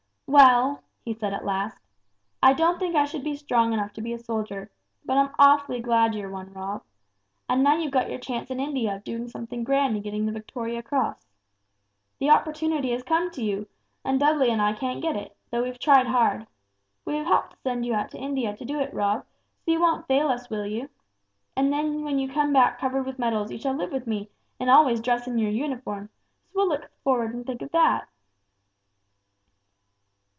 "Well," he said at last, "I don't think I should be strong enough to be a soldier, but I'm awfully glad you're one, Rob. And now you've got your chance in India of doing something grand and getting the Victoria Cross. The opportunity has come to you, and Dudley and I can't get it, though we've tried hard. But we have helped to send you out to India to do it, Rob, so you won't fail us, will you? And then when you come back covered with medals, you shall live with me and always dress in your uniform, so we'll look forward and think of that!"